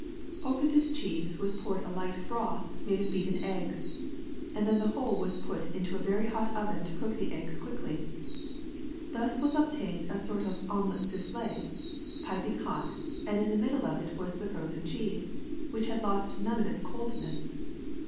Over this cheese was poured a HEAT CONDUCTION 79 light froth made of beaten eggs, and then the whole was put into a very hot oven to cook the eggs quickly. Thus was obtained a sort of omelette soiifflee, piping hot, and in the middle of it was the frozen cheese, which had lost none of its coldness.